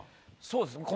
そうですね。